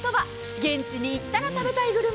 現地に行ったら食べたいグルメ。